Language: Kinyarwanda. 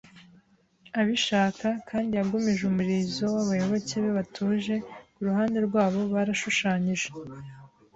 abishaka, kandi yagumije umurizo wabayoboke be batuje. Ku ruhande rwabo, barashushanyije